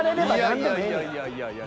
いやいやいやいや。